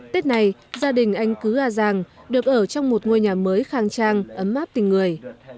tết này gia đình anh cứ a giàng được ở trong một ngôi nhà mới khang trang ấm áp tình người